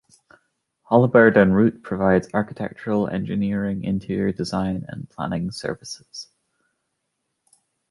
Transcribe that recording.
Holabird and Root provides architectural, engineering, interior design, and planning services.